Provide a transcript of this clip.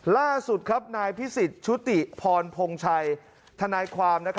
ล่าสุดครับนายพิสิทธิ์ชุติพรพงชัยทนายความ